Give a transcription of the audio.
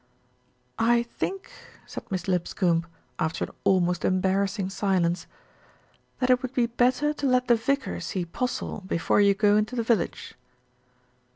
"I think," said Miss Lipscombe, after an almost embarrassing silence, "that it would be better to let the vicar see Postle before you go into the village."